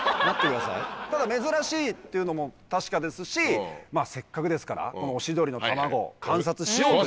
ただ珍しいっていうのも確かですしせっかくですからオシドリの卵を観察しようという。